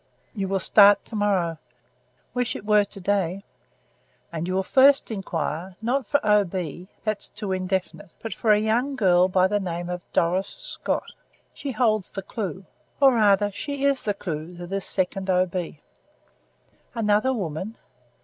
"You will start to morrow." "Wish it were to day." "And you will first inquire, not for O. B., that's too indefinite; but for a young girl by the name of Doris Scott. She holds the clew; or rather she is the clew to this second O. B." "Another woman!"